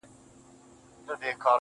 هغه دي مړه سي زموږ نه دي په كار.